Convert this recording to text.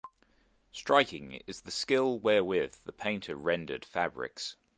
Striking is the skill wherewith the painter rendered fabrics.